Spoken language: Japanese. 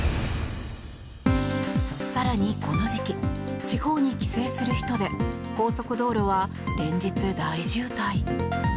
更に、この時期地方に帰省する人で高速道路は連日大渋滞。